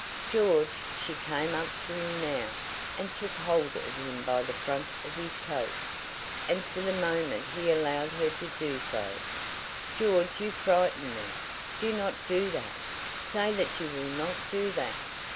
"George," she came up to him now, and took hold of him by the front of his coat, and for the moment he allowed her to do so, "George, you frighten me. Do not do that. Say that you will not do that!"